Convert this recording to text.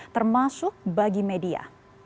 termasuk bagi media